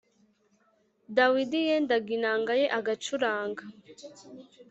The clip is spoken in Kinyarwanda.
Dawidi yendaga inanga ye agacuranga